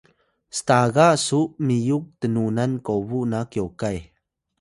staga su miyuk tnunan kobu na koyay